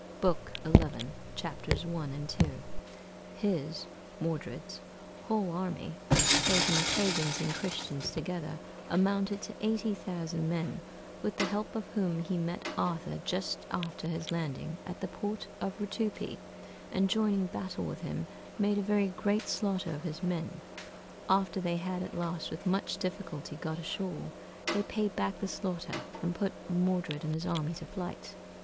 [Book xi., Chapters i. and ii.] His [Modred's] whole army, taking Pagans and Christians together, amounted to eighty thousand men, with the help of whom he met Arthur just after his landing at the port of Rutupi, and joining battle with him, made a very great slaughter of his men.... After they had at last, with much difficulty, got ashore, they paid back the slaughter, and put Modred and his army to flight.